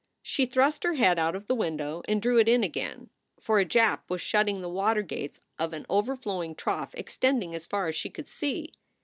She thrust her head out of the window and drew it in again, for a Jap was shutting the water gates of an overflowing trough extending as far as she could see.